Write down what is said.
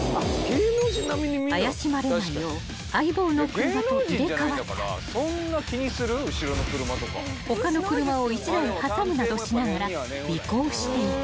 ［怪しまれないよう相棒の車と入れ替わったり他の車を１台挟むなどしながら尾行していく］